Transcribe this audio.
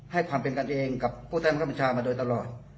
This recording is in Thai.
ให้ความเป็นกันเองกับผู้ท่านมหัศจรรย์มาโดยตลอด